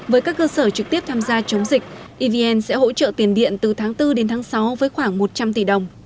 với các cơ sở trực tiếp tham gia chống dịch evn sẽ hỗ trợ tiền điện từ tháng bốn đến tháng sáu với khoảng một trăm linh tỷ đồng